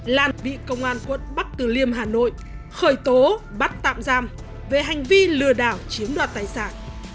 lan bị công an quận bắc từ liêm hà nội khởi tố bắt tạm giam về hành vi lừa đảo chiếm đoạt tài sản